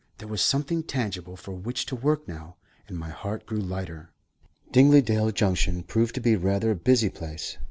There was something tangible for which to work now, and my heart grew lighter. Dingledale Junction proved to be rather a busy place.